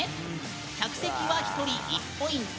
客席は１人１ポイント。